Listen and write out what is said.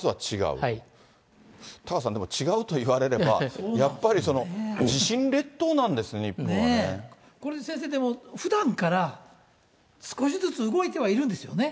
でもタカさん、でも違うと言われれば、やっぱり、地震列島なんですよ、日本はね。これでも先生、ふだんから少しずつ動いてはいるんですよね。